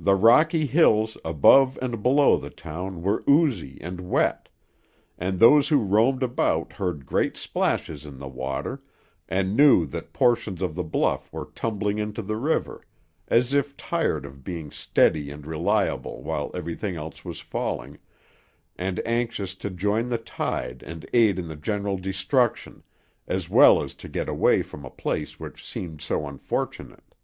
The rocky hills above and below the town were oozy and wet; and those who roamed about heard great splashes in the water, and knew that portions of the bluff were tumbling into the river, as if tired of being steady and reliable while everything else was failing, and anxious to join the tide and aid in the general destruction, as well as to get away from a place which seemed so unfortunate.